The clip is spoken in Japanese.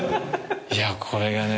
いやこれがね